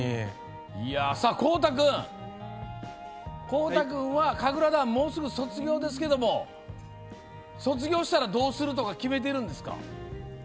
孝汰君は神楽団、もうすぐ卒業ですけど卒業したらどうするとか決めてるんですか？